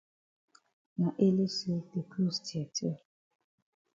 Na ele say the closs tear tear.